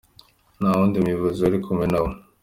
Nta wundi muyobozi wari kumwe nabo.